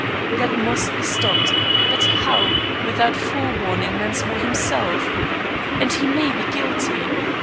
That must be stopped. But how, without forewarning Mensmore himself? and he may be guilty.